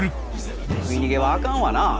食い逃げはあかんわな。